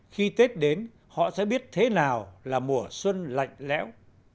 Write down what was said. khi tết đến họ sẽ biết thế nào là mùa xuân lạnh lẽo